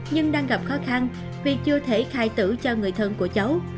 nhưng đang gặp khó khăn vì chưa thể khai tử cho người thân của cháu